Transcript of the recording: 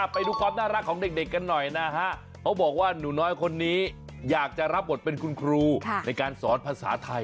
ไปดูความน่ารักของเด็กกันหน่อยนะฮะเขาบอกว่าหนูน้อยคนนี้อยากจะรับบทเป็นคุณครูในการสอนภาษาไทย